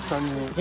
え？